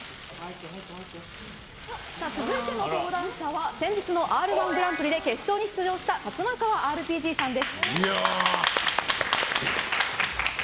続いての登壇者は先日の「Ｒ‐１グランプリ」で決勝に出場したサツマカワＲＰＧさんです。